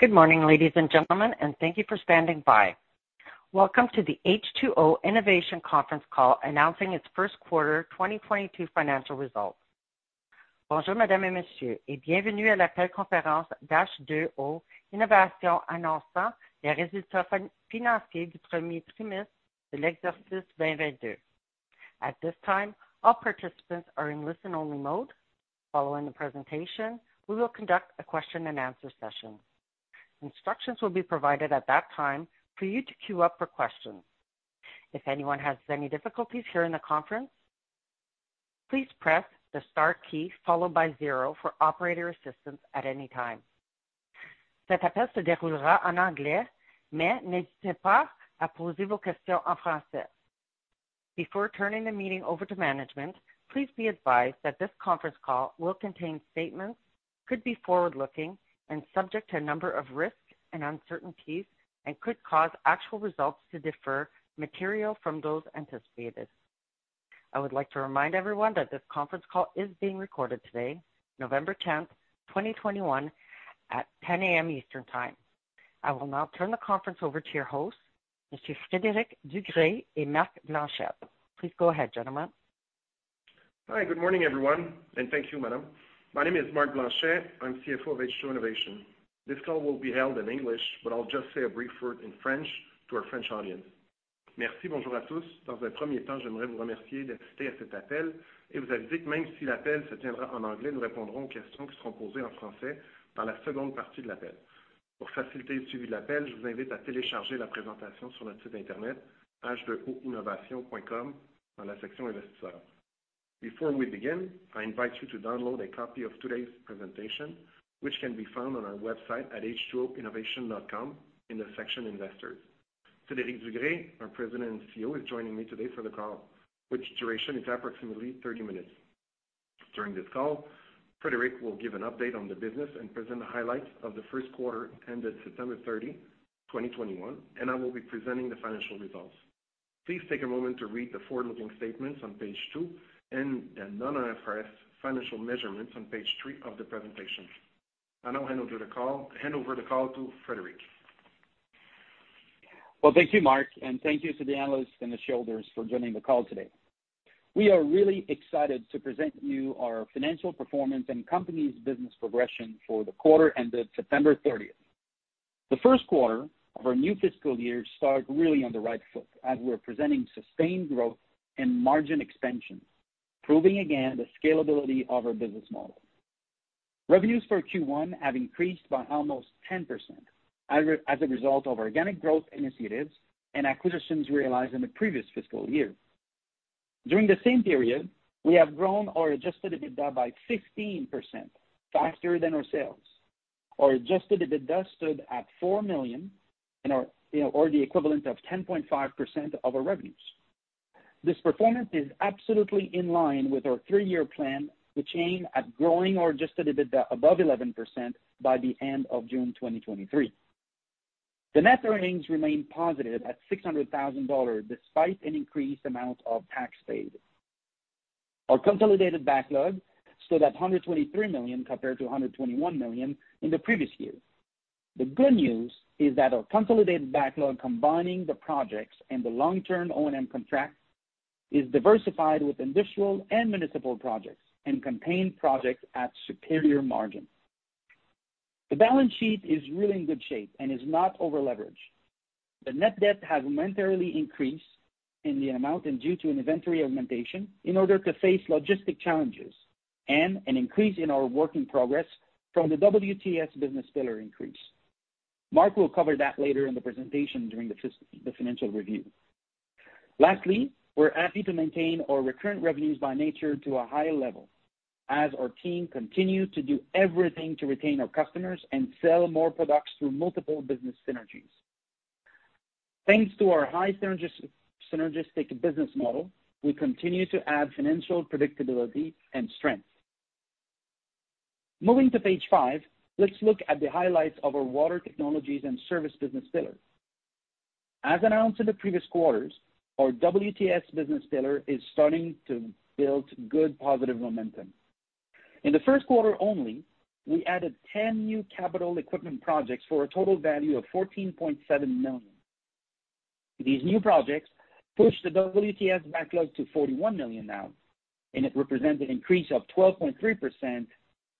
Good morning, ladies and gentlemen, and thank you for standing by. Welcome to the H2O Innovation conference call announcing its Q1 2022 financial results. Bonjour, Mesdames et Messieurs, et bienvenue à l'appel de conférence d'H2O Innovation annonçant les résultats financiers du premier trimestre de l'exercice 2022. At this time, all participants are in listen-only mode. Following the presentation, we will conduct a question and answer session. Instructions will be provided at that time for you to queue up for questions. If anyone has any difficulties hearing the conference, please press the star key followed by zero for operator assistance at any time. Cet appel se déroulera en anglais, mais n'hésitez pas à poser vos questions en français. Before turning the meeting over to management, please be advised that this conference call will contain statements that could be forward-looking and subject to a number of risks and uncertainties and could cause actual results to differ materially from those anticipated. I would like to remind everyone that this conference call is being recorded today, November 10, 2021 at 10:00 A.M. Eastern Time. I will now turn the conference over to your hosts, Monsieur Frédéric Dugré and Marc Blanchet. Please go ahead, gentlemen. Hi, good morning, everyone, and thank you, madam. My name is Marc Blanchet. I'm CFO of H2O Innovation. This call will be held in English, but I'll just say a brief word in French to our French audience. Merci. Bonjour à tous. Dans un premier temps, j'aimerais vous remercier d'assister à cet appel et vous indiquer que même si l'appel se tiendra en anglais, nous répondrons aux questions qui seront posées en français par la seconde partie de l'appel. Pour faciliter le suivi de l'appel, je vous invite à télécharger la présentation sur notre site Internet h2oinnovation.com dans la section investisseurs. Before we begin, I invite you to download a copy of today's presentation, which can be found on our website at h2oinnovation.com in the section investors. Frédéric Dugré, our President and CEO, is joining me today for the call, which duration is approximately 30 minutes. During this call, Frédéric Dugré will give an update on the business and present the highlights of the Q1 ended September 30, 2021, and I will be presenting the financial results. Please take a moment to read the forward-looking statements on page two and the non-IFRS financial measurements on page 3 of the presentation. I now hand over the call to Frédéric Dugré. Well, thank you, Marc, and thank you to the analysts and the shareholders for joining the call today. We are really excited to present you our financial performance and company's business progression for the quarter ended September 30. The Q1 of our new fiscal year start really on the right foot as we're presenting sustained growth and margin expansion, proving again the scalability of our business model. Revenues for Q1 have increased by almost 10% as a result of organic growth initiatives and acquisitions realized in the previous fiscal year. During the same period, we have grown our adjusted EBITDA by 15% faster than our sales. Our adjusted EBITDA stood at 4 million in our, you know, or the equivalent of 10.5% of our revenues. This performance is absolutely in line with our three-year plan, which aim at growing our adjusted EBITDA above 11% by the end of June 2023. The net earnings remain positive at 600,000 dollars, despite an increased amount of tax paid. Our consolidated backlog stood at 123 million compared to 121 million in the previous year. The good news is that our consolidated backlog, combining the projects and the long-term O&M contracts, is diversified with industrial and municipal projects and contain projects at superior margin. The balance sheet is really in good shape and is not over-leveraged. The net debt has momentarily increased in the amount and due to an inventory augmentation in order to face logistic challenges and an increase in our work in progress from the WTS business pillar increase. Marc will cover that later in the presentation during the financial review. Lastly, we're happy to maintain our recurrent revenues by nature to a higher level as our team continue to do everything to retain our customers and sell more products through multiple business synergies. Thanks to our high synergistic business model, we continue to add financial predictability and strength. Moving to page five, let's look at the highlights of our Water Technologies and Services business pillar. As announced in the previous quarters, our WTS business pillar is starting to build good positive momentum. In the Q1 only, we added 10 new capital equipment projects for a total value of 14.7 million. These new projects pushed the WTS backlog to 41 million now, and it represents an increase of 12.3%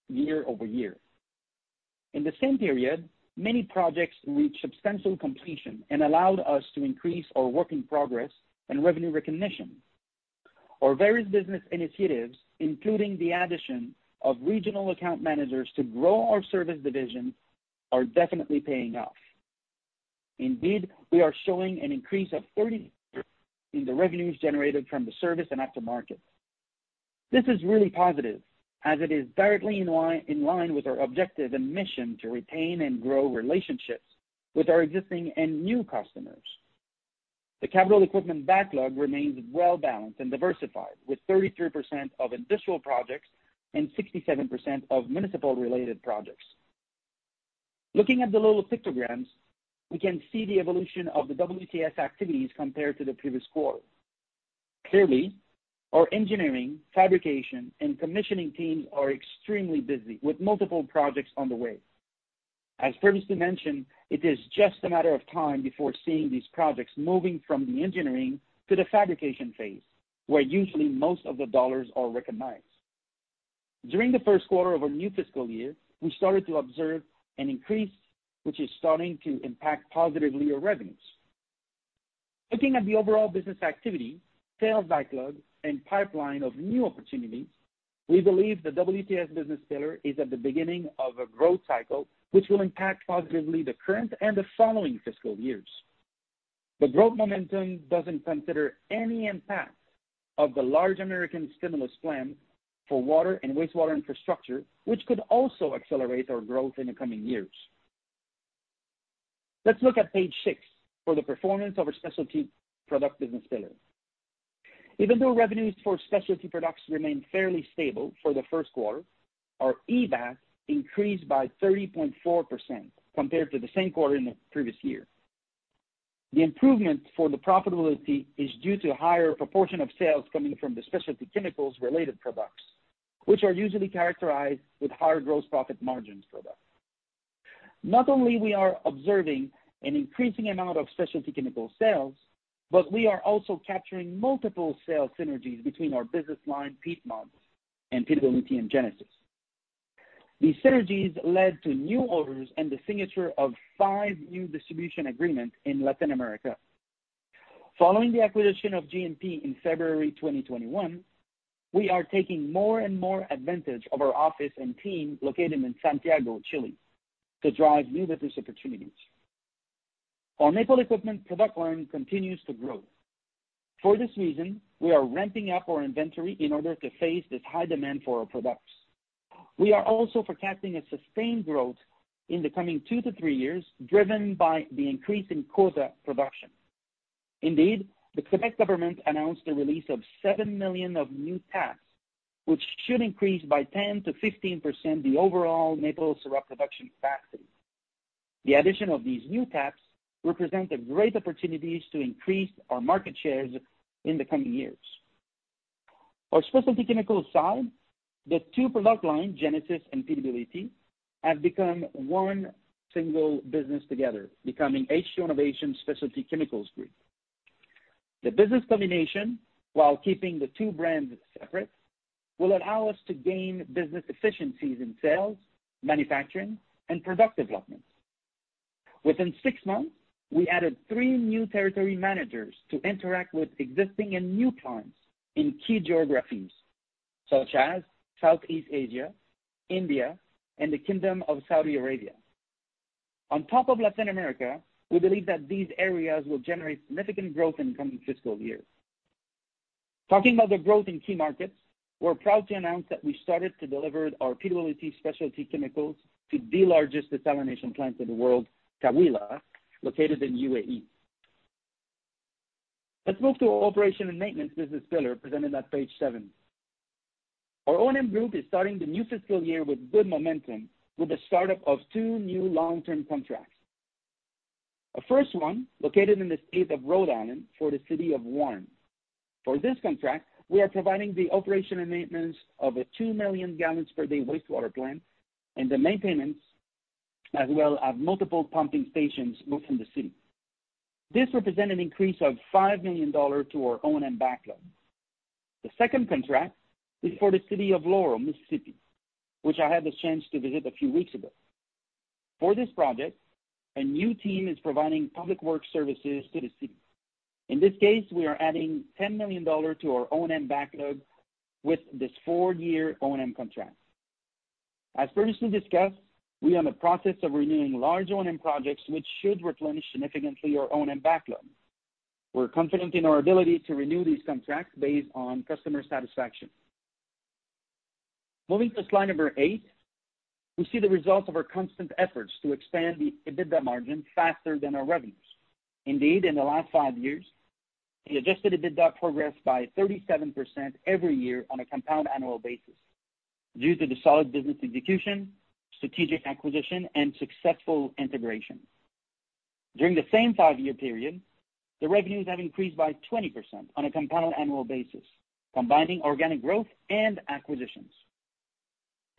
year-over-year. In the same period, many projects reached substantial completion and allowed us to increase our work in progress and revenue recognition. Our various business initiatives, including the addition of regional account managers to grow our service division, are definitely paying off. Indeed, we are showing an increase of 30 in the revenues generated from the service and aftermarket. This is really positive as it is directly in line with our objective and mission to retain and grow relationships with our existing and new customers. The capital equipment backlog remains well-balanced and diversified, with 33% of industrial projects and 67% of municipal-related projects. Looking at the lower pictograms, we can see the evolution of the WTS activities compared to the previous quarter. Clearly, our engineering, fabrication, and commissioning teams are extremely busy with multiple projects on the way. As previously mentioned, it is just a matter of time before seeing these projects moving from the engineering to the fabrication phase, where usually most of the dollars are recognized. During the Q1 of our new fiscal year, we started to observe an increase which is starting to impact positively our revenues. Looking at the overall business activity, sales backlog, and pipeline of new opportunities, we believe the WTS business pillar is at the beginning of a growth cycle, which will impact positively the current and the following fiscal years. The growth momentum doesn't consider any impact of the large American stimulus plan for water and wastewater infrastructure, which could also accelerate our growth in the coming years. Let's look at page six for the performance of our specialty product business pillar. Even though revenues for specialty products remain fairly stable for the Q1, our EBIT increased by 30.4% compared to the same quarter in the previous year. The improvement for the profitability is due to a higher proportion of sales coming from the specialty chemicals related products, which are usually characterized with higher gross profit margin products. Not only we are observing an increasing amount of specialty chemical sales, but we are also capturing multiple sales synergies between our business line, PWT and Genesys. These synergies led to new orders and the signature of five new distribution agreements in Latin America. Following the acquisition of GMP in February 2021, we are taking more and more advantage of our office and team located in Santiago, Chile to drive new business opportunities. Our maple equipment product line continues to grow. For this reason, we are ramping up our inventory in order to face this high demand for our products. We are also forecasting a sustained growth in the coming 2-3 years, driven by the increase in quota production. Indeed, the Quebec government announced the release of 7 million of new taps, which should increase by 10%-15% the overall maple syrup production capacity. The addition of these new taps represent a great opportunities to increase our market shares in the coming years. Our specialty chemicals side, the two product line, Genesys and PWT, have become one single business together, becoming H2O Innovation Specialty Chemicals Group. The business combination, while keeping the two brands separate, will allow us to gain business efficiencies in sales, manufacturing, and product development. Within six months, we added three new territory managers to interact with existing and new clients in key geographies such as Southeast Asia, India, and the Kingdom of Saudi Arabia. On top of Latin America, we believe that these areas will generate significant growth in coming fiscal years. Talking about the growth in key markets, we're proud to announce that we started to deliver our PWT specialty chemicals to the largest desalination plant in the world, Taweelah, located in UAE. Let's move to our operation and maintenance business pillar presented at page seven. Our O&M group is starting the new fiscal year with good momentum with the start of two new long-term contracts. Our first one located in the state of Rhode Island for the city of Warren. For this contract, we are providing the operation and maintenance of a 2 million gallons per day wastewater plant and the maintenance as well of multiple pumping stations both in the city. This represents an increase of $5 million to our O&M backlog. The second contract is for the city of Laurel, Mississippi, which I had the chance to visit a few weeks ago. For this project, a new team is providing public work services to the city. In this case, we are adding $10 million to our O&M backlog with this 4-year O&M contract. As previously discussed, we are in the process of renewing large O&M projects, which should replenish significantly our O&M backlog. We're confident in our ability to renew these contracts based on customer satisfaction. Moving to slide 8, we see the results of our constant efforts to expand the EBITDA margin faster than our revenues. Indeed, in the last five years, the adjusted EBITDA progressed by 37% every year on a compound annual basis due to the solid business execution, strategic acquisition, and successful integration. During the same 5-year period, the revenues have increased by 20% on a compound annual basis, combining organic growth and acquisitions.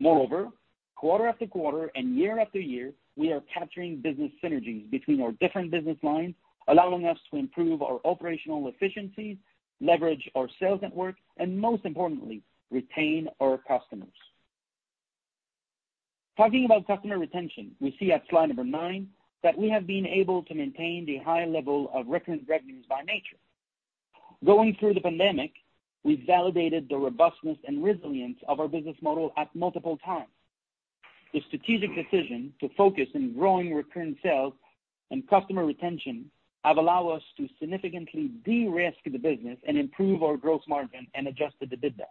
Moreover, quarter after quarter and year after year, we are capturing business synergies between our different business lines, allowing us to improve our operational efficiencies, leverage our sales network, and most importantly, retain our customers. Talking about customer retention, we see at slide 9 that we have been able to maintain the high level of recurring revenues by nature. Going through the pandemic, we validated the robustness and resilience of our business model at multiple times. The strategic decision to focus in growing recurring sales and customer retention have allow us to significantly de-risk the business and improve our gross margin and adjusted EBITDA.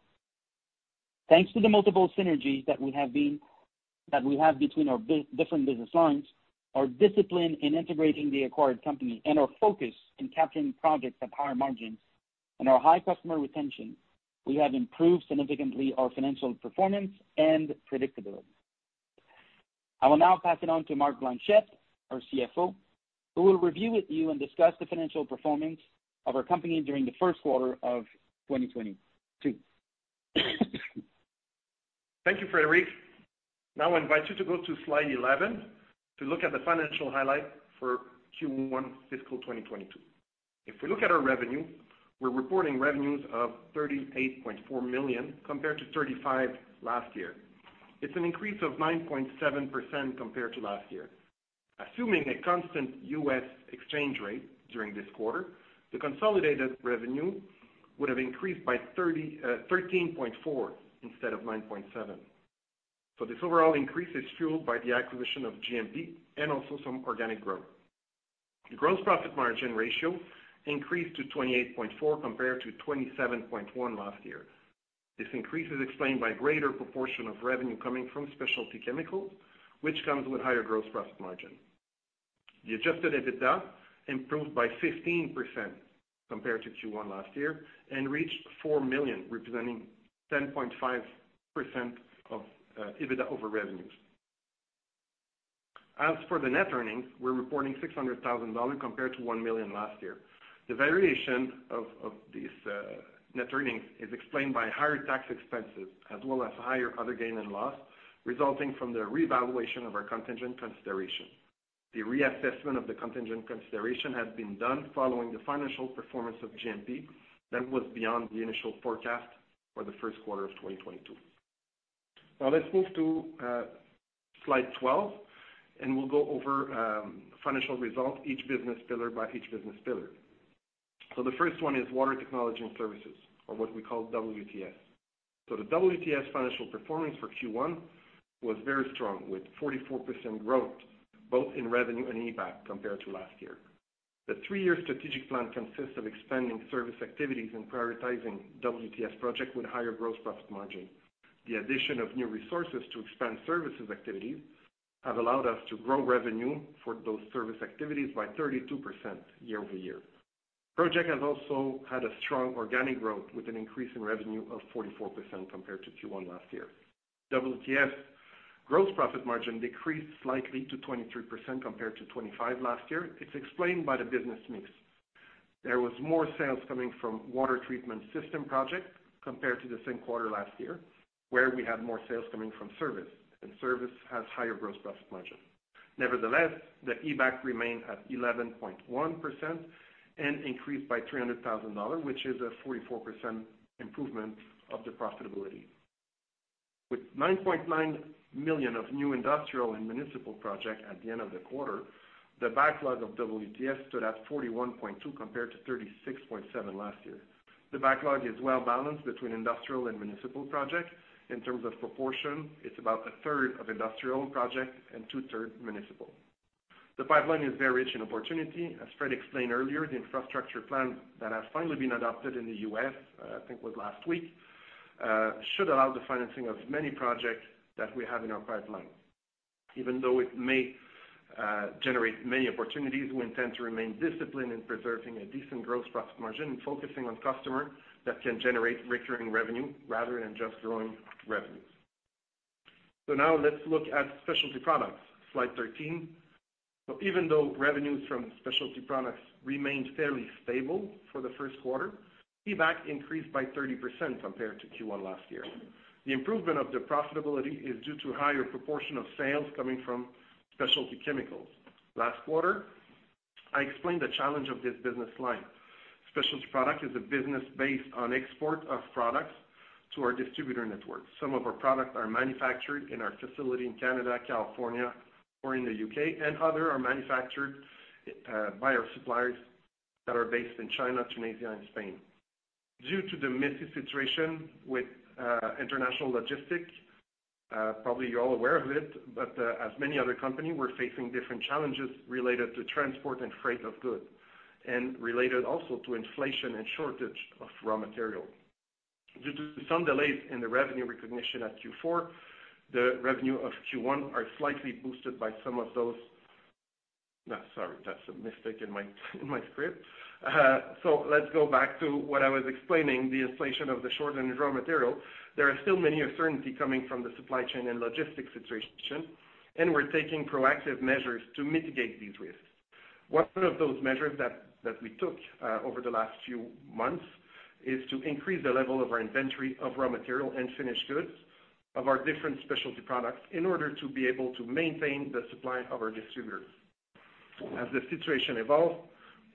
Thanks to the multiple synergies that we have between our different business lines, our discipline in integrating the acquired company, and our focus in capturing projects at higher margins, and our high customer retention, we have improved significantly our financial performance and predictability. I will now pass it on to Marc Blanchet, our CFO, who will review with you and discuss the financial performance of our company during the Q1 of 2022. Thank you, Frédéric. Now I invite you to go to slide 11 to look at the financial highlight for Q1 fiscal 2022. If we look at our revenue, we're reporting revenues of 38.4 million compared to 35 million last year. It's an increase of 9.7% compared to last year. Assuming a constant US exchange rate during this quarter, the consolidated revenue would have increased by 13.4% instead of 9.7%. This overall increase is fueled by the acquisition of GMP and also some organic growth. The gross profit margin ratio increased to 28.4% compared to 27.1% last year. This increase is explained by a greater proportion of revenue coming from specialty chemicals, which comes with higher gross profit margin. The adjusted EBITDA improved by 15% compared to Q1 last year and reached 4 million, representing 10.5% of EBITDA over revenues. As for the net earnings, we're reporting 600 thousand dollars compared to 1 million last year. The variation of these net earnings is explained by higher tax expenses as well as higher other gain and loss resulting from the revaluation of our contingent consideration. The reassessment of the contingent consideration has been done following the financial performance of GMP that was beyond the initial forecast for the Q1 of 2022. Now let's move to slide 12, and we'll go over financial results, each business pillar by each business pillar. The first one is Water Technology and Services or what we call WTS. The WTS financial performance for Q1 was very strong with 44% growth both in revenue and EBITDA compared to last year. The three-year strategic plan consists of expanding service activities and prioritizing WTS projects with higher gross profit margin. The addition of new resources to expand services activities have allowed us to grow revenue for those service activities by 32% year-over-year. Projects have also had a strong organic growth with an increase in revenue of 44% compared to Q1 last year. WTS gross profit margin decreased slightly to 23% compared to 25% last year. It's explained by the business mix. There was more sales coming from water treatment system projects compared to the same quarter last year, where we had more sales coming from service, and service has higher gross profit margin. Nevertheless, the EBITDA remained at 11.1% and increased by 300,000 dollars, which is a 44% improvement of the profitability. With 9.9 million of new industrial and municipal projects at the end of the quarter, the backlog of WTS stood at 41.2 million compared to 36.7 million last year. The backlog is well balanced between industrial and municipal projects. In terms of proportion, it's about a third of industrial projects and two-thirds municipal. The pipeline is very rich in opportunity. As Fred explained earlier, the infrastructure plan that has finally been adopted in the U.S., I think it was last week, should allow the financing of many projects that we have in our pipeline. Even though it may generate many opportunities, we intend to remain disciplined in preserving a decent gross profit margin and focusing on customer that can generate recurring revenue rather than just growing revenues. Now let's look at Specialty Products. Slide 13. Even though revenues from Specialty Products remained fairly stable for the Q1, EBITDA increased by 30% compared to Q1 last year. The improvement of the profitability is due to a higher proportion of sales coming from specialty chemicals. Last quarter, I explained the challenge of this business line. Specialty Products is a business based on export of products to our distributor network. Some of our products are manufactured in our facility in Canada, California, or in the U.K., and others are manufactured by our suppliers that are based in China, Tunisia, and Spain. Due to the messy situation with international logistics, probably you're all aware of it, but as many other companies, we're facing different challenges related to transport and freight of goods, and related also to inflation and shortage of raw material. There are still many uncertainties coming from the supply chain and logistics situation, and we're taking proactive measures to mitigate these risks. One of those measures that we took over the last few months is to increase the level of our inventory of raw material and finished goods of our different specialty products in order to be able to maintain the supply of our distributors. As the situation evolves,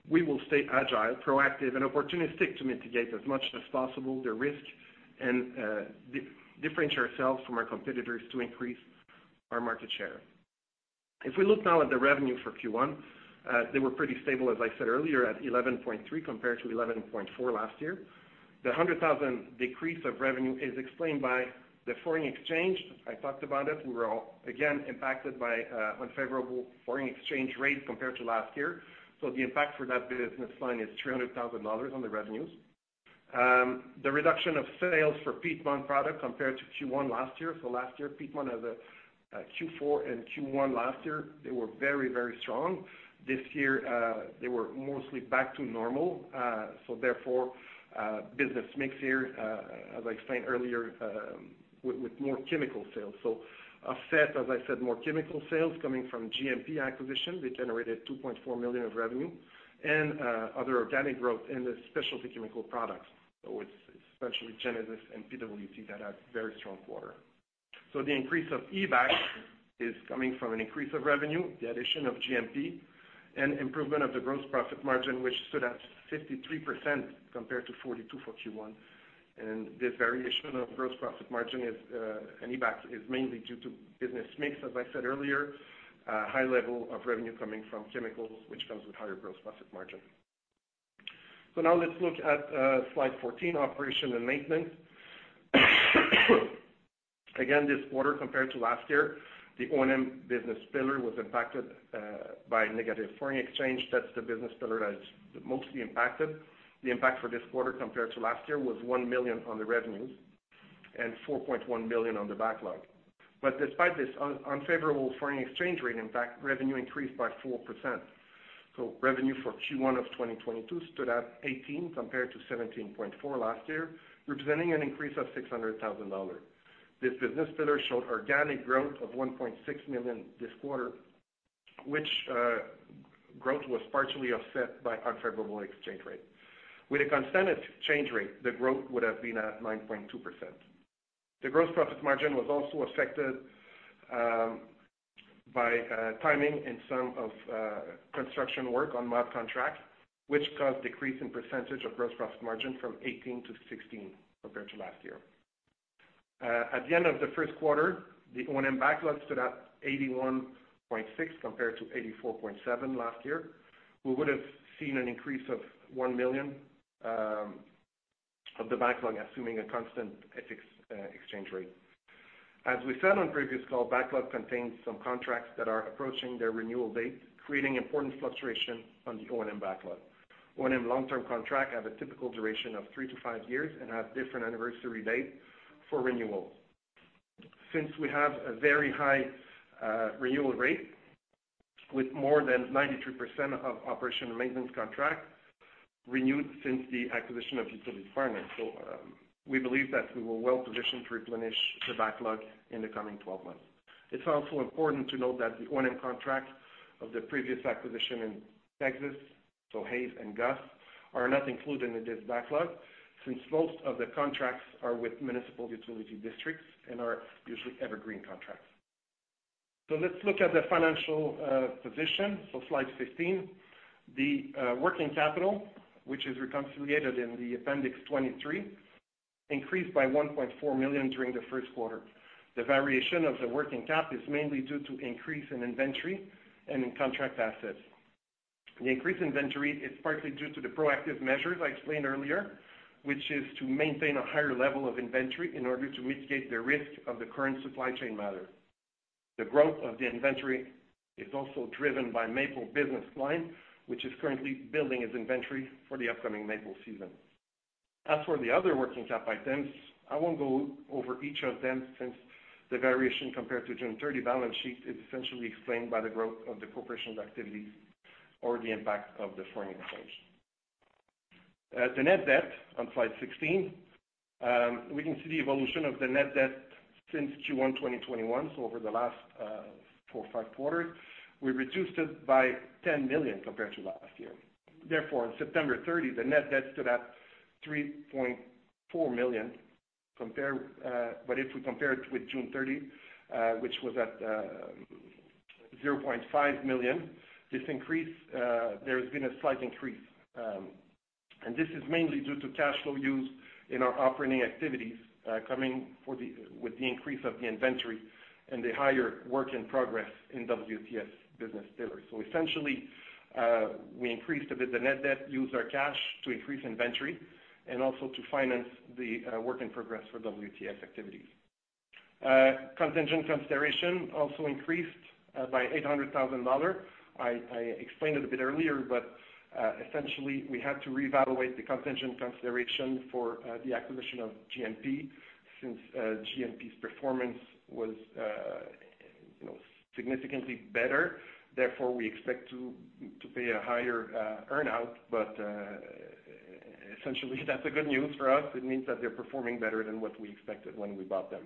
we will stay agile, proactive, and opportunistic to mitigate as much as possible the risk and differentiate ourselves from our competitors to increase our market share. If we look now at the revenue for Q1, they were pretty stable, as I said earlier, at 11.3 million compared to 11.4 million last year. The 100,000 decrease of revenue is explained by the foreign exchange. I talked about it. We were all, again, impacted by unfavorable foreign exchange rates compared to last year. The impact for that business line is 300 thousand dollars on the revenues, the reduction of sales for peat moss product compared to Q1 last year. Last year, peat moss as a Q4 and Q1 last year, they were very, very strong. This year, they were mostly back to normal. Therefore, business mix here, as I explained earlier, with more chemical sales. Offset, as I said, more chemical sales coming from GMP acquisition, which generated 2.4 million of revenue, and other organic growth in the specialty chemical products. It's especially Genesys and PWT that had very strong quarter. The increase of EBITDA is coming from an increase of revenue, the addition of GMP and improvement of the gross profit margin, which stood at 53% compared to 42% for Q1. This variation of gross profit margin is in EBITDA mainly due to business mix, as I said earlier, high level of revenue coming from chemicals, which comes with higher gross profit margin. Now let's look at slide 14, Operations and Maintenance. Again, this quarter compared to last year, the O&M business pillar was impacted by negative foreign exchange. That's the business pillar that is mostly impacted. The impact for this quarter compared to last year was 1 million on the revenues and 4.1 million on the backlog. Despite this unfavorable foreign exchange rate, in fact, revenue increased by 4%. Revenue for Q1 of 2022 stood at 18 million compared to 17.4 million last year, representing an increase of 600,000 dollars. This business pillar showed organic growth of 1.6 million this quarter, which growth was partially offset by unfavorable exchange rate. With a constant exchange rate, the growth would have been at 9.2%. The gross profit margin was also affected by timing and some of construction work on O&M contract, which caused decrease in percentage of gross profit margin from 18%-16% compared to last year. At the end of the Q1, the O&M backlog stood at 81.6 million compared to 84.7 million last year. We would have seen an increase of 1 million of the backlog, assuming a constant exchange rate. As we said on previous call, backlog contains some contracts that are approaching their renewal date, creating important fluctuation on the O&M backlog. O&M long-term contract have a typical duration of 3-5 years and have different anniversary date for renewal. Since we have a very high renewal rate with more than 93% of operational maintenance contract renewed since the acquisition of Utility Partners. We believe that we were well-positioned to replenish the backlog in the coming 12 months. It's also important to note that the O&M contract of the previous acquisition in Texas, so Hays and Gulf, are not included in this backlog, since most of the contracts are with municipal utility districts and are usually evergreen contracts. Let's look at the financial position. Slide 15. The working capital, which is reconciled in the appendix 23, increased by 1.4 million during the Q1. The variation of the working cap is mainly due to increase in inventory and in contract assets. The increased inventory is partly due to the proactive measures I explained earlier, which is to maintain a higher level of inventory in order to mitigate the risk of the current supply chain matter. The growth of the inventory is also driven by maple business line, which is currently building its inventory for the upcoming maple season. As for the other working cap items, I won't go over each of them since the variation compared to June 30 balance sheet is essentially explained by the growth of the corporation's activities or the impact of the foreign exchange. The net debt on slide 16, we can see the evolution of the net debt since Q1 2021. Over the last four or five quarters, we reduced it by 10 million compared to last year. Therefore, on September 30, the net debt stood at 3.4 million, but if we compare it with June 30, which was at 0.5 million, this increase, there's been a slight increase. This is mainly due to cash flow used in our operating activities with the increase of the inventory and the higher work in progress in WTS business pillar. Essentially, we increased a bit the net debt, used our cash to increase inventory, and also to finance the work in progress for WTS activities. Contingent consideration also increased by 800,000 dollars. I explained it a bit earlier, but essentially, we had to reevaluate the contingent consideration for the acquisition of GMP since GMP's performance was, you know, significantly better. Therefore, we expect to pay a higher earn out. Essentially, that's good news for us. It means that they're performing better than what we expected when we bought them.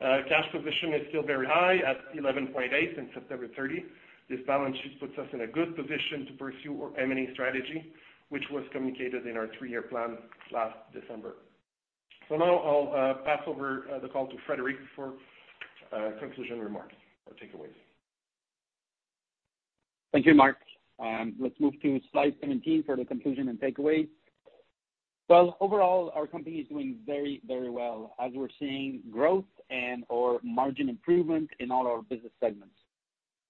Cash position is still very high at 11.8 million as of September 30. This balance sheet puts us in a good position to pursue our M&A strategy, which was communicated in our three-year plan last December. Now I'll pass over the call to Frédéric for concluding remarks or takeaways. Thank you, Mark. Let's move to slide 17 for the conclusion and takeaways. Overall, our company is doing very, very well as we're seeing growth and/or margin improvement in all our business segments.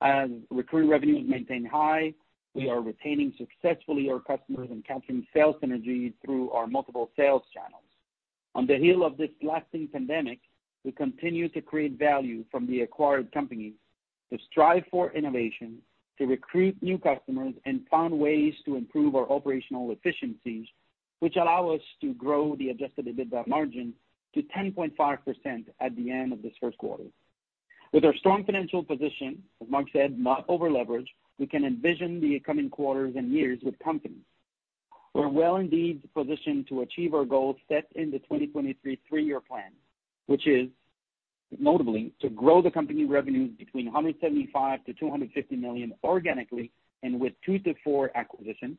As recurring revenue is maintained high, we are retaining successfully our customers and capturing sales synergies through our multiple sales channels. On the heels of this lasting pandemic, we continue to create value from the acquired companies to strive for innovation, to recruit new customers and find ways to improve our operational efficiencies, which allow us to grow the adjusted EBITDA margin to 10.5% at the end of this Q1. With our strong financial position, as Mark said, not over-leveraged, we can envision the coming quarters and years with confidence. We're well indeed positioned to achieve our goals set in the 2023 three-year plan, which is notably to grow the company revenue between 175 million-250 million organically and with 2-4 acquisitions,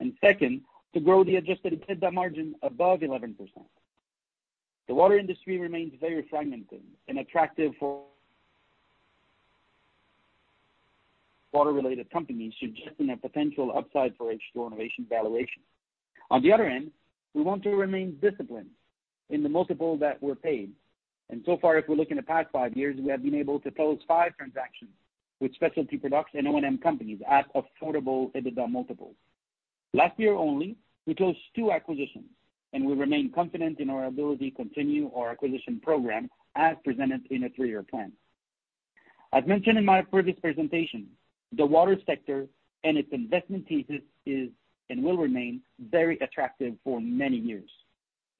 and second, to grow the adjusted EBITDA margin above 11%. The water industry remains very fragmented and attractive for water-related companies, suggesting a potential upside for H2O Innovation valuation. On the other end, we want to remain disciplined in the multiple that we're paid. So far, if we look in the past 5 years, we have been able to close 5 transactions with specialty products and O&M companies at affordable EBITDA multiples. Last year only, we closed 2 acquisitions, and we remain confident in our ability to continue our acquisition program as presented in a three-year plan. As mentioned in my previous presentation, the water sector and its investment thesis is, and will remain very attractive for many years.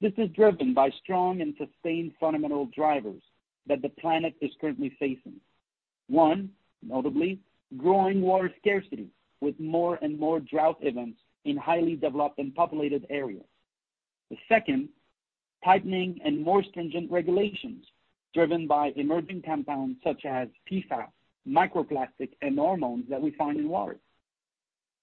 This is driven by strong and sustained fundamental drivers that the planet is currently facing. One, notably, growing water scarcity with more and more drought events in highly developed and populated areas. The second, tightening and more stringent regulations driven by emerging compounds such as PFAS, microplastic, and hormones that we find in water.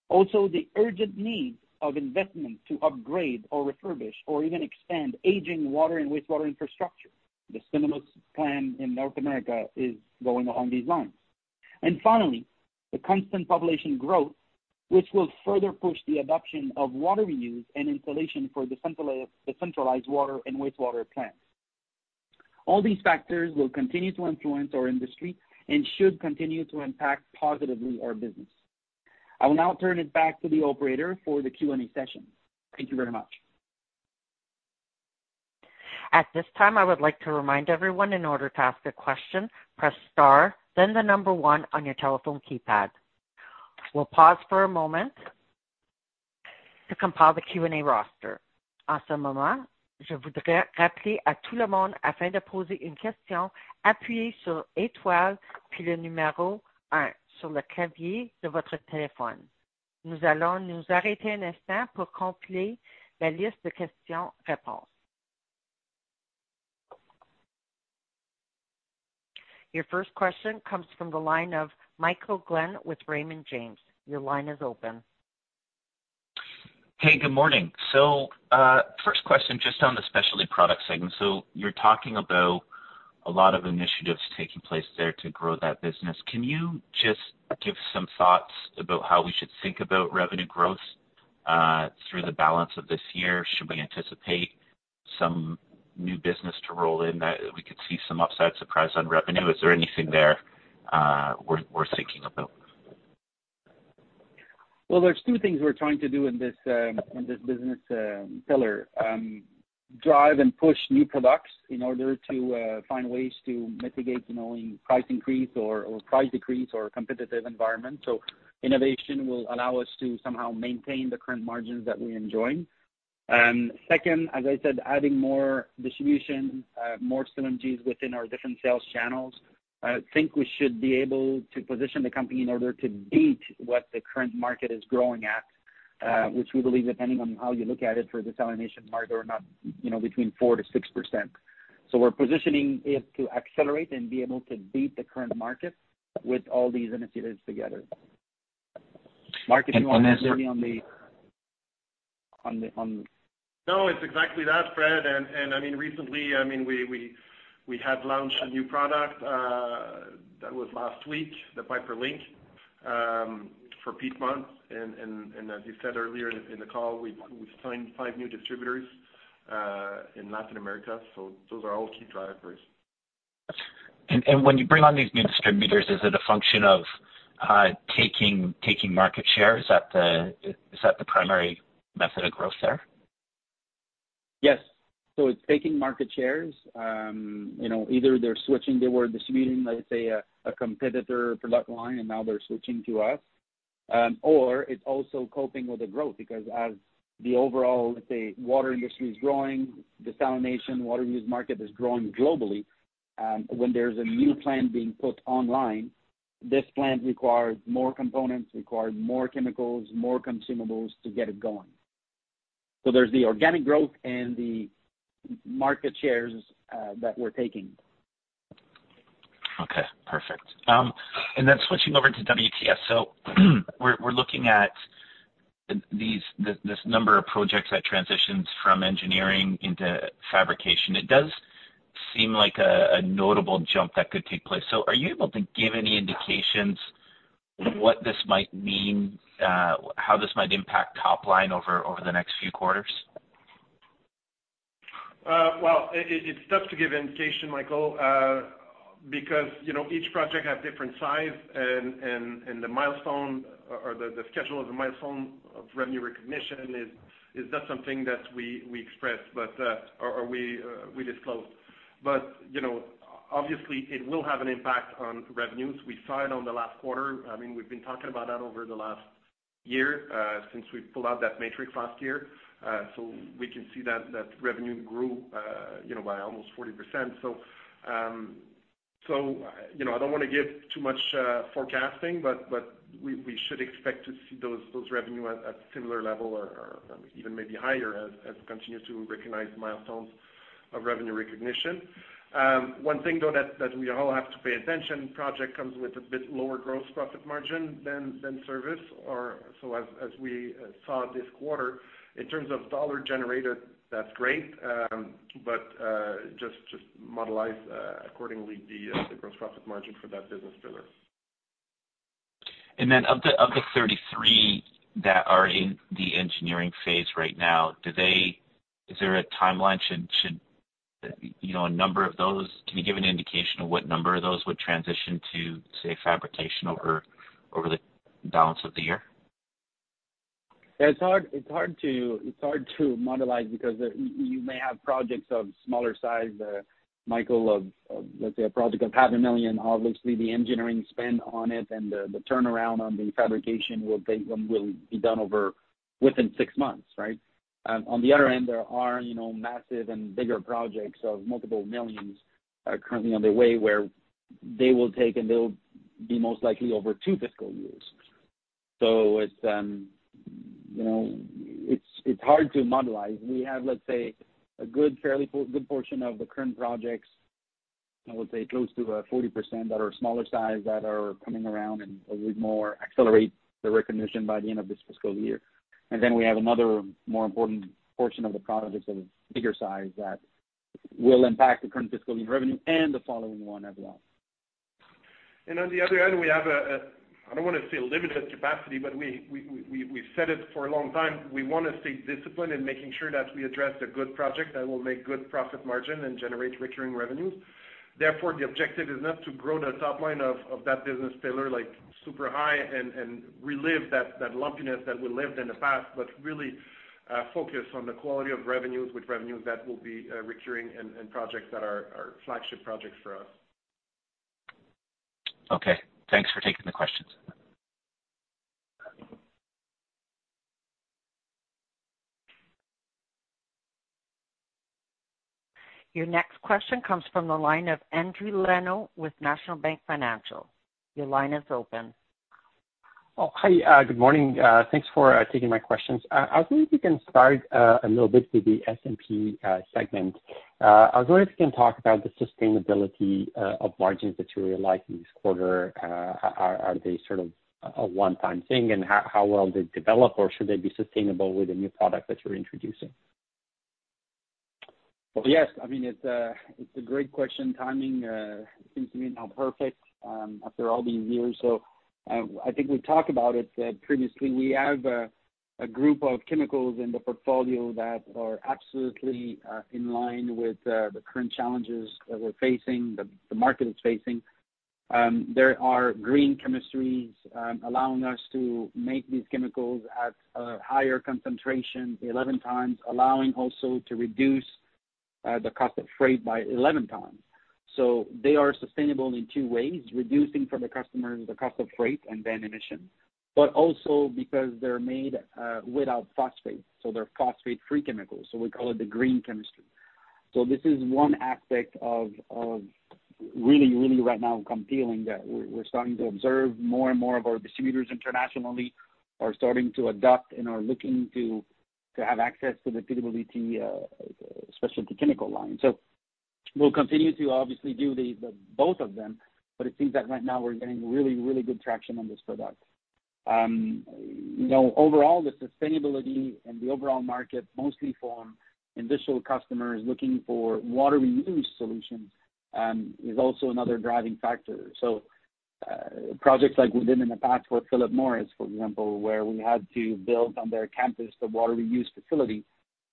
Also, the urgent need of investment to upgrade or refurbish or even expand aging water and wastewater infrastructure. The stimulus plan in North America is going along these lines. Finally, the constant population growth, which will further push the adoption of water reuse and installation for decentralized water and wastewater plants. All these factors will continue to influence our industry and should continue to impact positively our business. I will now turn it back to the operator for the Q&A session. Thank you very much. At this time, I would like to remind everyone in order to ask a question, press star, then the number one on your telephone keypad. We'll pause for a moment to compile the Q&A roster. Your first question comes from the line of Michael Glen with Raymond James. Your line is open. Hey, good morning. First question just on the Specialty Products segment. You're talking about a lot of initiatives taking place there to grow that business. Can you just give some thoughts about how we should think about revenue growth through the balance of this year? Should we anticipate some new business to roll in that we could see some upside surprise on revenue? Is there anything there worth thinking about? Well, there's two things we're trying to do in this business pillar. Drive and push new products in order to find ways to mitigate, you know, any price increase or price decrease or competitive environment. Innovation will allow us to somehow maintain the current margins that we're enjoying. Second, as I said, adding more distribution, more synergies within our different sales channels. I think we should be able to position the company in order to beat what the current market is growing at, which we believe depending on how you look at it for desalination market or not, you know, between 4%-6%. We're positioning it to accelerate and be able to beat the current market with all these initiatives together. Mark, if you want to add any on the... No, it's exactly that, Fred. I mean, recently, I mean, we have launched a new product that was last week, the Pi-Perm from Piedmont. As you said earlier in the call, we've signed five new distributors in Latin America. Those are all key drivers. When you bring on these new distributors, is it a function of taking market share? Is that the primary method of growth there? Yes. It's taking market shares. You know, either they're switching, they were distributing, let's say, a competitor product line, and now they're switching to us. Or it's also coping with the growth because as the overall, let's say, water industry is growing, desalination water use market is growing globally. When there's a new plant being put online, this plant requires more components, require more chemicals, more consumables to get it going. There's the organic growth and the market shares that we're taking. Okay, perfect. Switching over to WTS. We're looking at this number of projects that transitions from engineering into fabrication. It does seem like a notable jump that could take place. Are you able to give any indications what this might mean, how this might impact top line over the next few quarters? Well, it's tough to give indication, Michael. Because, you know, each project have different size and the milestone or the schedule of the milestone of revenue recognition is that something that we express but or we disclose. You know, obviously it will have an impact on revenues. We saw it on the last quarter. I mean, we've been talking about that over the last year since we pulled out that matrix last year. We can see that revenue grew, you know, by almost 40%. You know, I don't want to give too much forecasting, but we should expect to see those revenue at similar level or even maybe higher as we continue to recognize milestones of revenue recognition. One thing though that we all have to pay attention, project comes with a bit lower gross profit margin than service or so as we saw this quarter, in terms of dollar generated, that's great. Just model accordingly the gross profit margin for that business pillar. Then of the 33 that are in the engineering phase right now, is there a timeline? Can you give an indication of what number of those would transition to, say, fabrication over the balance of the year? Yeah, it's hard to model because you may have projects of smaller size, Michael, let's say, a project of CAD half a million. Obviously, the engineering spend on it and the turnaround on the fabrication will take within six months, right? On the other end, there are, you know, massive and bigger projects of CAD multiple millions, currently on the way where they will take, and they'll be most likely over two fiscal years. So it's hard to model. We have, let's say, a fairly good portion of the current projects, I would say close to 40% that are smaller size that are coming around and a bit more accelerate the recognition by the end of this fiscal year. We have another more important portion of the projects of bigger size that will impact the current fiscal year revenue and the following one as well. On the other end, we have. I don't want to say a limited capacity, but we've said it for a long time. We want to stay disciplined in making sure that we address the good project that will make good profit margin and generate recurring revenues. Therefore, the objective is not to grow the top line of that business pillar like super high and relive that lumpiness that we lived in the past, but really focus on the quality of revenues with revenues that will be recurring and projects that are flagship projects for us. Okay. Thanks for taking the questions. Your next question comes from the line of Endri Leno with National Bank Financial. Your line is open. Oh, hi. Good morning. Thanks for taking my questions. I was wondering if you can start a little bit with the SP segment. I was wondering if you can talk about the sustainability of margins that you realized in this quarter. Are they sort of a one-time thing, and how well they develop, or should they be sustainable with the new product that you're introducing? Well, yes. I mean, it's a great question. Timing seems to be now perfect after all these years. I think we've talked about it previously. We have a group of chemicals in the portfolio that are absolutely in line with the current challenges that we're facing, the market is facing. There are green chemistries allowing us to make these chemicals at a higher concentration, 11 times, allowing also to reduce the cost of freight by 11 times. They are sustainable in two ways, reducing for the customers the cost of freight and then emissions, but also because they're made without phosphate, so they're phosphate-free chemicals, so we call it the green chemistry. This is one aspect of really right now compelling that we're starting to observe more and more of our distributors internationally are starting to adopt and are looking to have access to the PWT specialty chemical line. We'll continue to obviously do both of them, but it seems that right now we're getting really good traction on this product. You know, overall, the sustainability and the overall market, mostly from industrial customers looking for water reuse solutions, is also another driving factor. Projects like we did in the past with Philip Morris, for example, where we had to build on their campus the water reuse facility,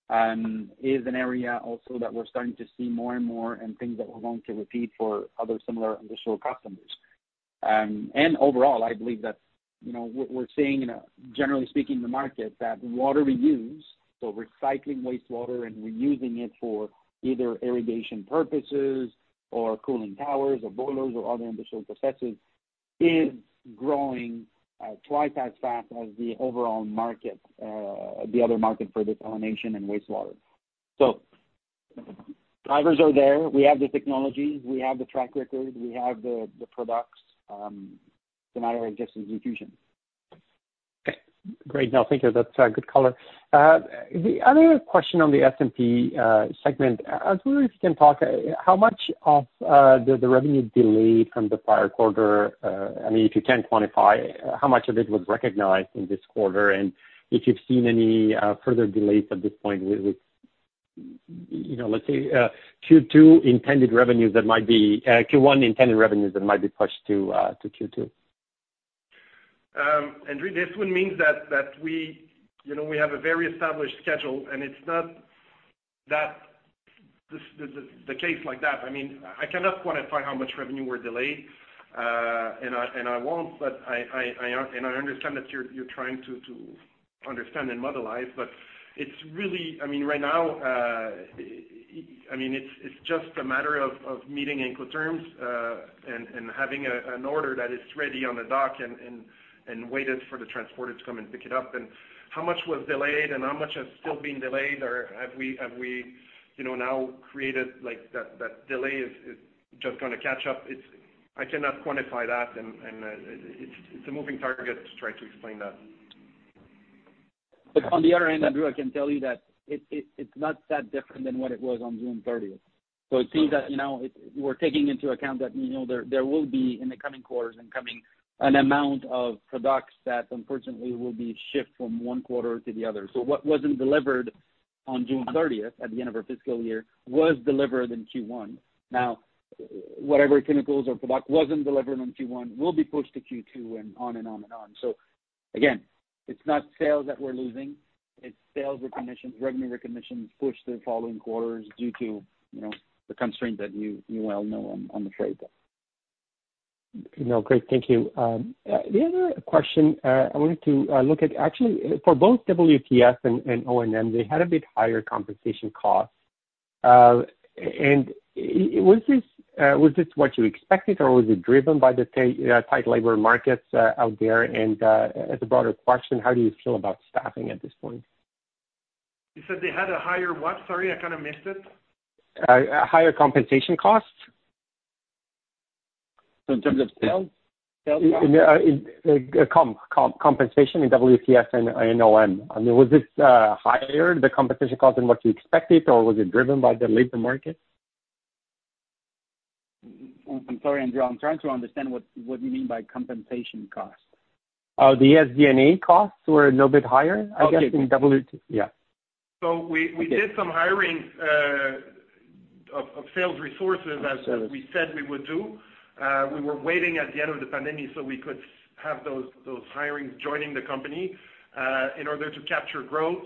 is an area also that we're starting to see more and more and things that we're going to repeat for other similar industrial customers. Overall, I believe that, you know, we're seeing, generally speaking, the market that water reuse, so recycling wastewater and reusing it for either irrigation purposes or cooling towers or boilers or other industrial processes, is growing twice as fast as the overall market, the other market for desalination and wastewater. Drivers are there. We have the technology. We have the track record. We have the products. It's a matter of just execution. Okay, great. No, thank you. That's good color. The other question on the SP segment, I was wondering if you can talk how much of the revenue delayed from the prior quarter, I mean, if you can quantify how much of it was recognized in this quarter and if you've seen any further delays at this point with, you know, let's say, Q1 intended revenues that might be pushed to Q2? Andre, this one means that we, you know, we have a very established schedule, and it's not that the case like that. I mean, I cannot quantify how much revenue were delayed, and I won't, but I understand that you're trying to understand and modelize, but it's really I mean, right now, I mean, it's just a matter of meeting Incoterms, and having an order that is ready on the dock and waited for the transporter to come and pick it up. How much was delayed and how much has still been delayed or have we, you know, now created like that delay is just going to catch up. I cannot quantify that, and it's a moving target to try to explain that. On the other hand, Endri, I can tell you that it's not that different than what it was on June 30. It seems that, you know, we're taking into account that, you know, there will be in the coming quarters and coming an amount of products that unfortunately will be shipped from one quarter to the other. What wasn't delivered on June 30, at the end of our fiscal year, was delivered in Q1. Now, whatever chemicals or product wasn't delivered on Q1 will be pushed to Q2 and on and on and on. Again, it's not sales that we're losing. It's sales recognition, revenue recognition pushed to the following quarters due to, you know, the constraints that you well know on the trade there. No, great. Thank you. The other question I wanted to look at actually for both WTS and O&M, they had a bit higher compensation costs. Was this what you expected, or was it driven by the tight labor markets out there? As a broader question, how do you feel about staffing at this point? You said they had a higher what? Sorry, I kinda missed it. Higher compensation costs. In terms of sales? Sales costs? Compensation in WTS and O&M. I mean, was this higher the compensation cost than what you expected, or was it driven by the labor market? I'm sorry, Endri. I'm trying to understand what you mean by compensation costs. Oh, the SG&A costs were a little bit higher, I guess, in W. Okay. Yeah. We did some hiring of sales resources as we said we would do. We were waiting at the end of the pandemic so we could have those hirings joining the company in order to capture growth.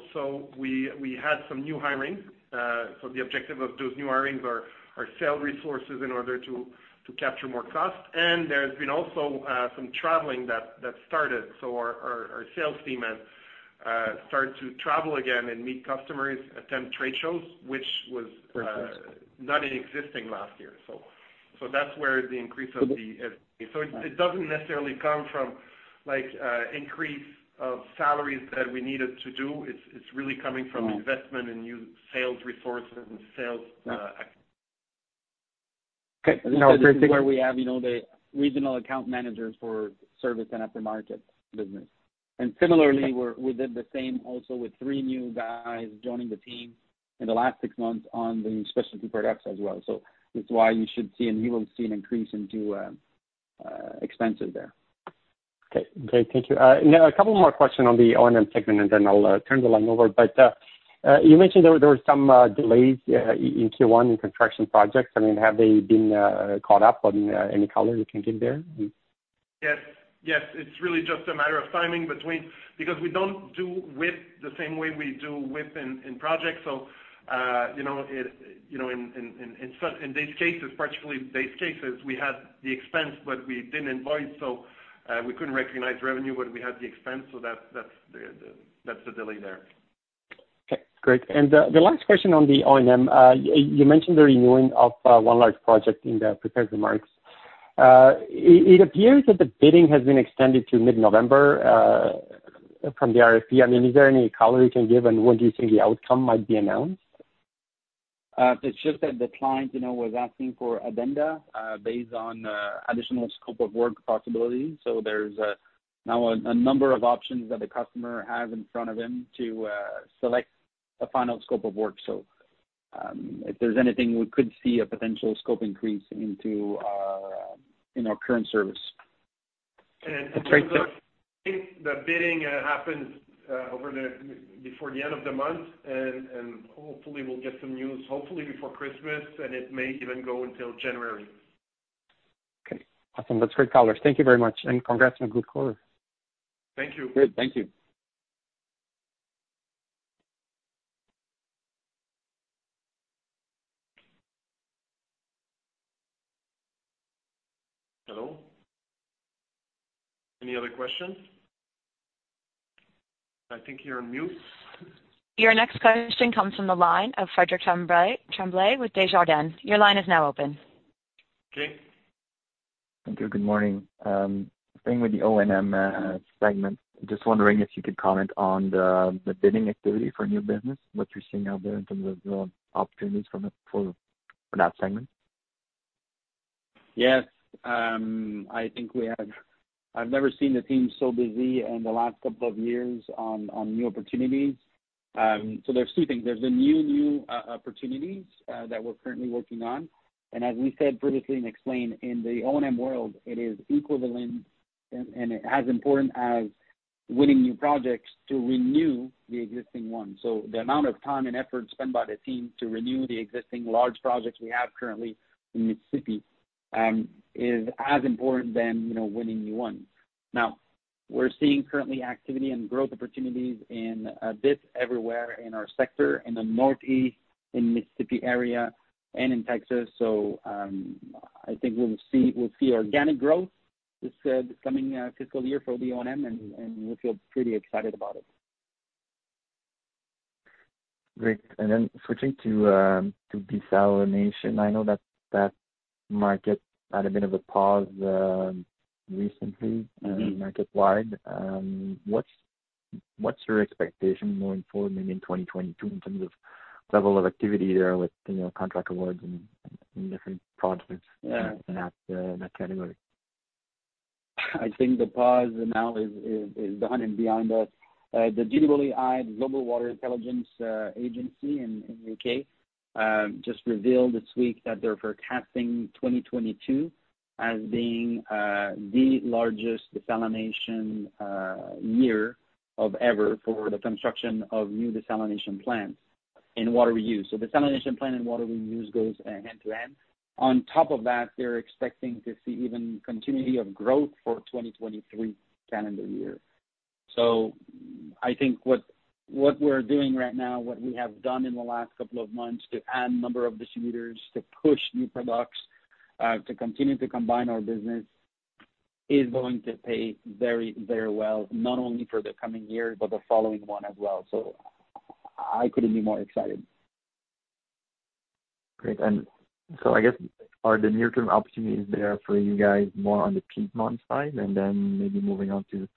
We had some new hirings. The objective of those new hirings are sales resources in order to capture more growth. There's been also some traveling that started. Our sales team has started to travel again and meet customers, attend trade shows. Right. not existing last year. That's where the increase of the SG&A. It doesn't necessarily come from like, increase of salaries that we needed to do. It's really coming from investment in new sales resources and sales Okay. No, this is. This is where we have, you know, the regional account managers for service and aftermarket business. Similarly, we did the same also with three new guys joining the team in the last six months on the Specialty Products as well. That's why you should see, and you will see an increase into expenses there. Okay. Great. Thank you. Now a couple more questions on the O&M segment, and then I'll turn the line over. You mentioned there were some delays in Q1 in construction projects. I mean, have they been caught up? I mean, any color you can give there? Yes. Yes. It's really just a matter of timing between because we don't do WIP the same way we do WIP in projects. You know, in these cases, particularly these cases, we had the expense, but we didn't invoice, so we couldn't recognize revenue, but we had the expense. That's the delay there. Okay, great. You mentioned the renewing of one large project in the prepared remarks. It appears that the bidding has been extended to mid-November from the RFP. I mean, is there any color you can give, and when do you think the outcome might be announced? It's just that the client, you know, was asking for addenda, based on, additional scope of work possibilities. There's now a number of options that the customer has in front of him to select a final scope of work. If there's anything, we could see a potential scope increase into our current service. Okay. I think the bidding happens before the end of the month. Hopefully we'll get some news, hopefully before Christmas, and it may even go until January. Okay. Awesome. That's great color. Thank you very much, and congrats on a good quarter. Thank you. Great. Thank you. Hello? Any other questions? I think you're on mute. Your next question comes from the line of Frédéric Tremblay with Desjardins. Your line is now open. Okay. Thank you. Good morning. Staying with the O&M segment, just wondering if you could comment on the bidding activity for new business, what you're seeing out there in terms of opportunities for that segment. Yes. I think we've never seen the team so busy in the last couple of years on new opportunities. There's two things. There's the new opportunities that we're currently working on. As we said previously and explained, in the O&M world, it is equivalent and as important as winning new projects to renew the existing ones. The amount of time and effort spent by the team to renew the existing large projects we have currently in Mississippi is as important as, you know, winning new ones. Now, we're seeing currently activity and growth opportunities in a bit everywhere in our sector, in the Northeast, in Mississippi area, and in Texas. I think we'll see organic growth this coming fiscal year for the O&M, and we feel pretty excited about it. Great. Switching to desalination. I know that market had a bit of a pause recently. Mm-hmm. market-wide. What's your expectation going forward, maybe in 2022, in terms of level of activity there with, you know, contract awards and different projects? Yeah. in that category? I think the pause now is done and behind us. The GWI, Global Water Intelligence, agency in U.K., just revealed this week that they're forecasting 2022 as being the largest desalination year ever for the construction of new desalination plants and water reuse. Desalination plant and water reuse goes hand in hand. On top of that, they're expecting to see even continuity of growth for 2023 calendar year. I think what we're doing right now, what we have done in the last couple of months to add number of distributors, to push new products, to continue to combine our business, is going to pay very, very well, not only for the coming year, but the following one as well. I couldn't be more excited. Great. I guess, are the near-term opportunities there for you guys more on the Piedmont side, and then maybe moving on to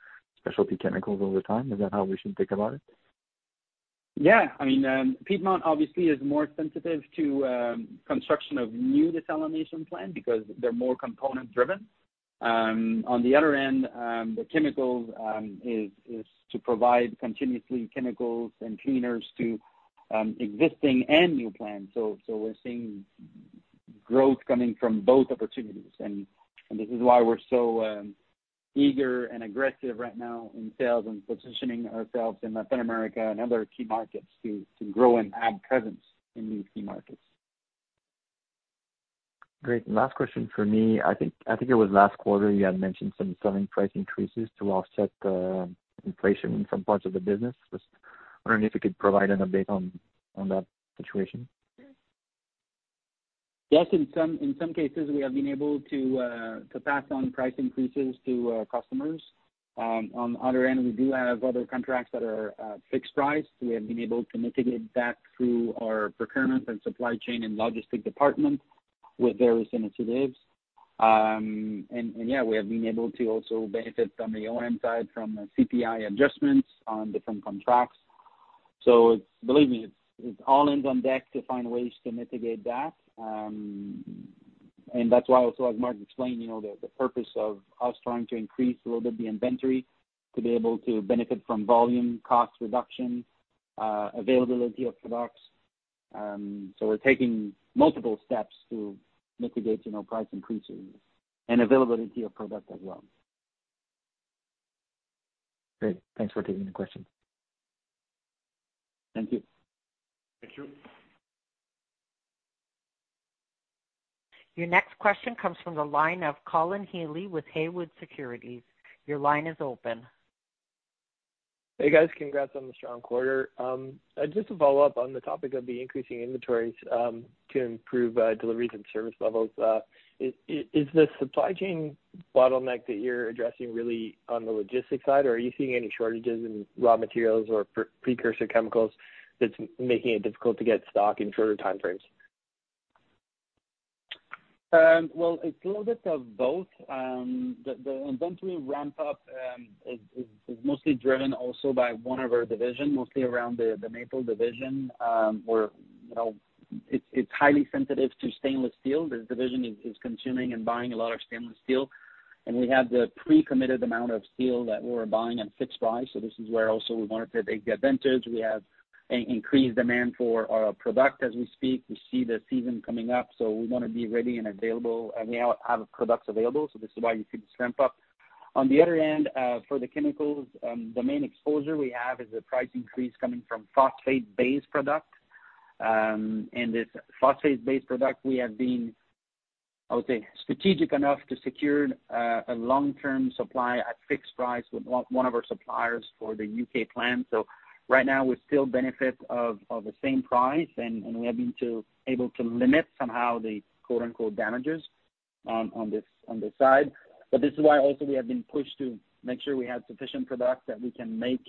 specialty chemicals over time? Is that how we should think about it? Yeah. I mean, Piedmont obviously is more sensitive to construction of new desalination plant because they're more component driven. On the other end, the chemicals is to provide continuously chemicals and cleaners to existing and new plants. We're seeing growth coming from both opportunities. This is why we're so eager and aggressive right now in sales and positioning ourselves in Latin America and other key markets to grow and add presence in these key markets. Great. Last question for me. I think it was last quarter you had mentioned some selling price increases to offset inflation in some parts of the business. Just wondering if you could provide an update on that situation. Yes. In some cases we have been able to pass on price increases to customers. On the other end, we do have other contracts that are fixed price. We have been able to mitigate that through our procurement and supply chain and logistics department with various initiatives. Yeah, we have been able to also benefit from the O&M side, from the CPI adjustments on different contracts. Believe me, it's all hands on deck to find ways to mitigate that. That's why also, as Marc explained, you know, the purpose of us trying to increase a little bit the inventory to be able to benefit from volume, cost reduction, availability of products. We're taking multiple steps to mitigate, you know, price increases and availability of product as well. Great. Thanks for taking the question. Thank you. Thank you. Your next question comes from the line of Colin Healey with Haywood Securities. Your line is open. Hey, guys. Congrats on the strong quarter. Just to follow up on the topic of the increasing inventories to improve deliveries and service levels. Is the supply chain bottleneck that you're addressing really on the logistics side, or are you seeing any shortages in raw materials or precursor chemicals that's making it difficult to get stock in shorter time frames? Well, it's a little bit of both. The inventory ramp up is mostly driven also by one of our division, mostly around the maple division, where, you know, it's highly sensitive to stainless steel. This division is consuming and buying a lot of stainless steel, and we have the pre-committed amount of steel that we're buying at fixed price. This is where also we wanted to take the advantage. We have an increased demand for our product as we speak. We see the season coming up, so we want to be ready and available, and we have products available. This is why you see this ramp up. On the other end, for the chemicals, the main exposure we have is the price increase coming from phosphate-based product. This phosphate-based product we have been, I would say, strategic enough to secure a long-term supply at fixed price with one of our suppliers for the UK plant. Right now we still benefit from the same price, and we have been able to limit somehow the quote-unquote damages on this side. This is why also we have been pushed to make sure we have sufficient products that we can make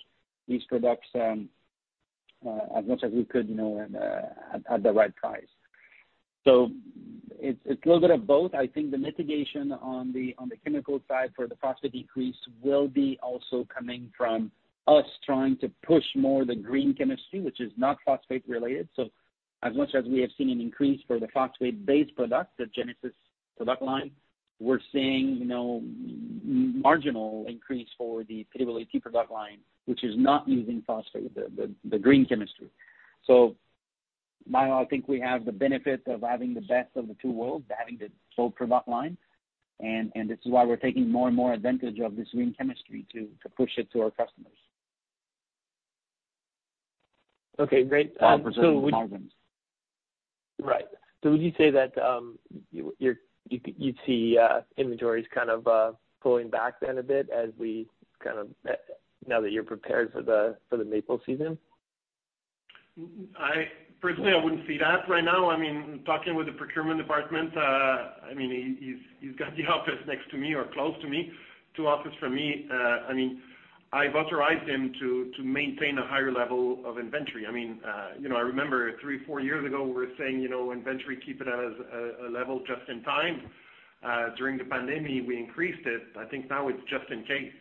these products as much as we could, you know, at the right price. It's a little bit of both. I think the mitigation on the chemical side for the phosphate decrease will be also coming from us trying to push more the green chemistry, which is not phosphate related. As much as we have seen an increase for the phosphate-based product, the Genesys product line, we're seeing, you know, marginal increase for the PWT product line, which is not using phosphate, the green chemistry. By all, I think we have the benefit of having the best of the two worlds, having the full product line. This is why we're taking more and more advantage of this green chemistry to push it to our customers. Okay, great. 5% margins. Right. Would you say that you'd see inventories kind of pulling back then a bit as we kind of now that you're prepared for the maple season? Personally, I wouldn't see that right now. I mean, talking with the procurement department, I mean, he's got the office next to me or close to me, two offices from me. I mean, I've authorized him to maintain a higher level of inventory. I mean, you know, I remember three, four years ago, we were saying, you know, inventory, keep it as a level just in time. During the pandemic, we increased it. I think now it's just in case.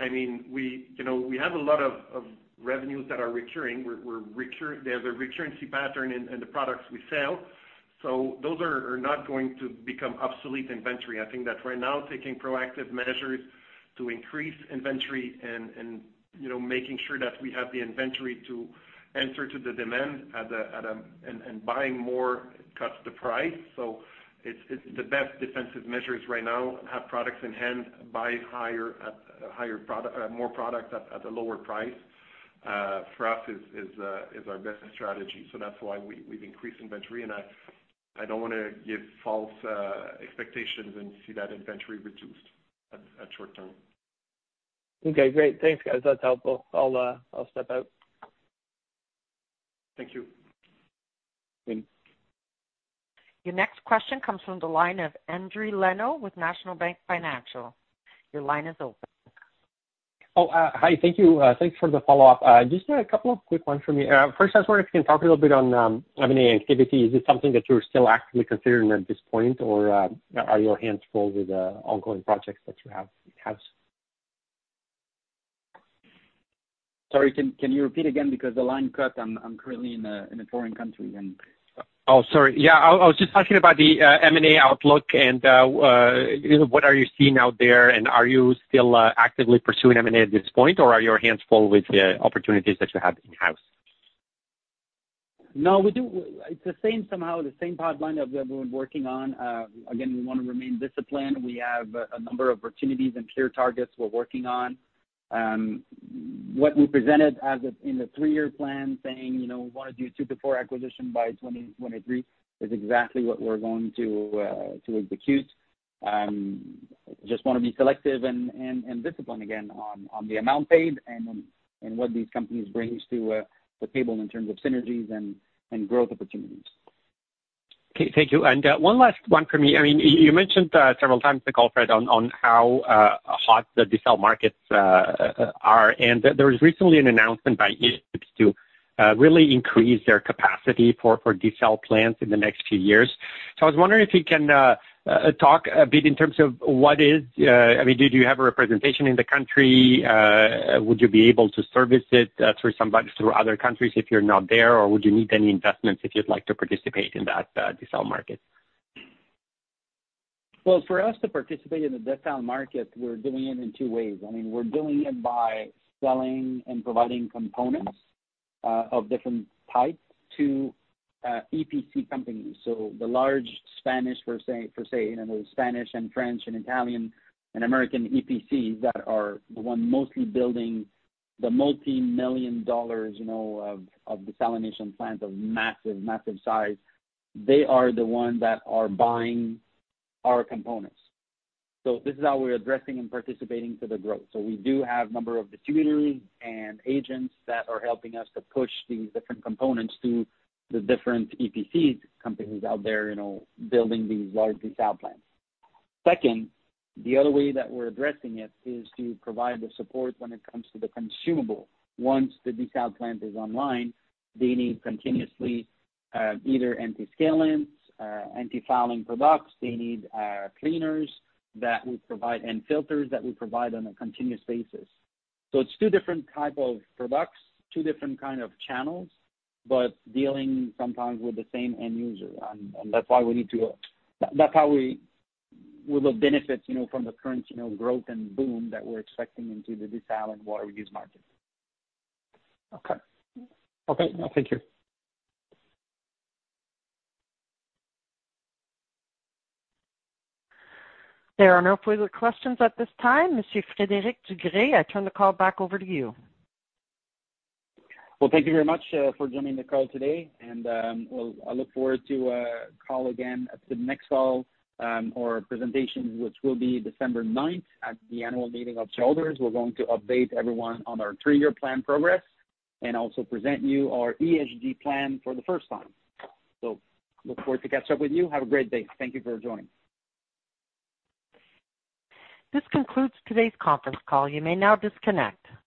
I mean, we, you know, we have a lot of revenues that are recurring. We're recurring. There's a recurrency pattern in the products we sell. Those are not going to become obsolete inventory. I think that right now, taking proactive measures to increase inventory and making sure that we have the inventory to answer to the demand. Buying more cuts the price. So it's the best defensive measures right now. Have products in hand, buy more product at a lower price for us is our best strategy. So that's why we've increased inventory. I don't want to give false expectations and see that inventory reduced at short term. Okay, great. Thanks, guys. That's helpful. I'll step out. Thank you. Thanks. Your next question comes from the line of Endri Leno with National Bank Financial. Your line is open. Hi. Thank you. Thanks for the follow-up. Just a couple of quick ones from me. First, I was wondering if you can talk a little bit on M&A activity. Is it something that you're still actively considering at this point? Or are your hands full with the ongoing projects that you have in-house? Sorry, can you repeat again because the line cut. I'm currently in a foreign country and- Oh, sorry. Yeah. I was just asking about the M&A outlook and, you know, what are you seeing out there, and are you still actively pursuing M&A at this point, or are your hands full with the opportunities that you have in-house? No, it's the same somehow, the same pipeline that we have been working on. Again, we want to remain disciplined. We have a number of opportunities and clear targets we're working on. What we presented in the three-year plan saying, you know, we want to do 2-4 acquisitions by 2023 is exactly what we're going to execute. Just want to be selective and disciplined again on the amount paid and on what these companies brings to the table in terms of synergies and growth opportunities. Okay. Thank you. One last one for me. I mean, you mentioned several times the call, Fred, on how hot the desal markets are. There was recently an announcement by to really increase their capacity for desal plants in the next few years. I was wondering if you can talk a bit in terms of what is. I mean, do you have a representation in the country? Would you be able to service it through other countries if you're not there? Would you need any investments if you'd like to participate in that desal market? Well, for us to participate in the desal market, we're doing it in two ways. I mean, we're doing it by selling and providing components of different types to EPC companies. The large Spanish, for say, you know, the Spanish and French and Italian and American EPCs that are the one mostly building the multimillion dollars you know of desalination plants of massive size, they are the ones that are buying our components. This is how we're addressing and participating to the growth. We do have number of distributors and agents that are helping us to push these different components to the different EPCs companies out there, you know, building these large desal plants. Second, the other way that we're addressing it is to provide the support when it comes to the consumable. Once the desal plant is online, they need continuously either anti-scalants, anti-fouling products. They need cleaners that we provide and filters that we provide on a continuous basis. It's two different type of products, two different kind of channels, but dealing sometimes with the same end user. That's how we will benefit, you know, from the current, you know, growth and boom that we're expecting into the desal and water reuse market. Okay. No, thank you. There are no further questions at this time. Monsieur Frédéric Dugré, I turn the call back over to you. Well, thank you very much for joining the call today, and I look forward to a call again at the next call, or presentation, which will be December ninth at the annual meeting of shareholders. We're going to update everyone on our three-year plan progress and also present you our ESG plan for the first time. Look forward to catch up with you. Have a great day. Thank you for joining. This concludes today's conference call. You may now disconnect.